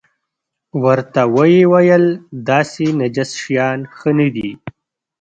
ورته ویې ویل داسې نجس شیان ښه نه دي.